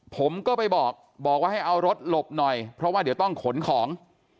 ผมก็ไปบอกบอกว่าให้เอารถหลบหน่อยเพราะว่าเดี๋ยวต้องขนของ